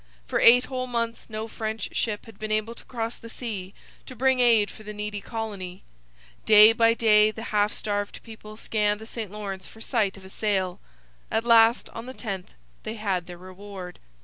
For eight whole months no French ship had been able to cross the sea, to bring aid for the needy colony. Day by day the half starved people scanned the St Lawrence for sight of a sail. At last, on the 10th, they had their reward.